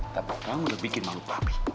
tapi kamu udah bikin malu kami